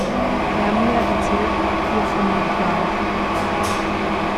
Hermia erzählt ihr von dem Plan.